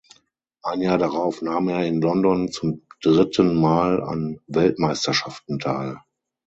Ein Jahr darauf nahm er in London zum dritten Mal an Weltmeisterschaften teil.